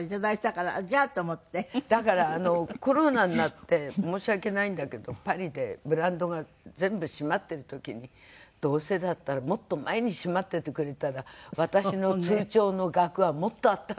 だからあのコロナになって申し訳ないんだけどパリでブランドが全部閉まってる時にどうせだったらもっと前に閉まっててくれたら私の通帳の額はもっとあったのにと思いますよ。